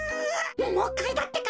もういっかいだってか。